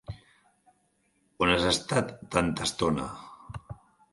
On has estat tanta estona?